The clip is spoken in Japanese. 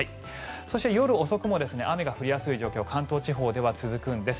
そして夜遅くも雨が降りやすい状況が関東地方では続くんです。